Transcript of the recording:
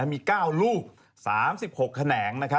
มี๙ลูก๓๖แขนง